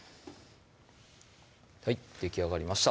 はいできあがりました